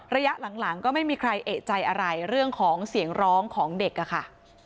ระยะหลังก็ไม่มีใครเอกใจอะไรเรื่องของเสียงร้องของเด็กอะค่ะ